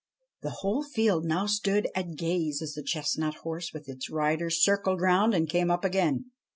The whole field now stood at gaze as the chestnut horse with its rider circled round and came up again.